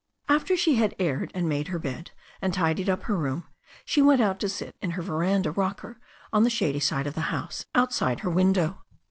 After she had aired and made her bed and tidied up her room, she went out to sit in her veranda rocker on the shady side of the house, outside her window.